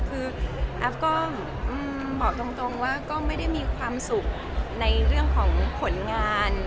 คือแอฟก็บอกตรงว่าก็ไม่ได้มีความสุขในเรื่องของผลงาน